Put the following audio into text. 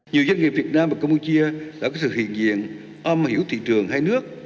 nhiều doanh nghiệp việt nam và campuchia đã có sự hiện diện âm hiểu thị trường hai nước